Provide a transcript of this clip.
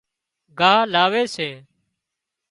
ڳاهَ لاوي سي